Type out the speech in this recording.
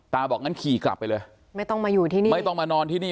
บอกงั้นขี่กลับไปเลยไม่ต้องมาอยู่ที่นี่ไม่ต้องมานอนที่นี่